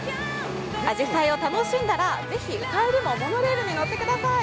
あじさいを楽しんだらぜひ、帰りもモノレールに乗ってください。